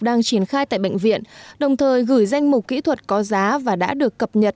đang triển khai tại bệnh viện đồng thời gửi danh mục kỹ thuật có giá và đã được cập nhật